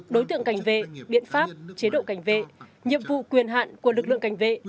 đối tượng cảnh vệ biện pháp chế độ cảnh vệ nhiệm vụ quyền hạn của lực lượng cảnh vệ